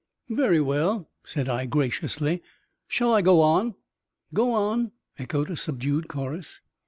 "Very well," said I, graciously; "shall I go on?" "Go on," echoed a subdued chorus.